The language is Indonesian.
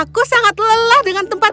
kerja di sana